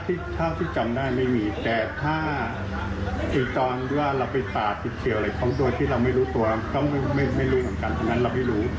ที่เราไม่รู้ตัวก็ไม่รู้เหมือนกันดังนั้นเราไม่รู้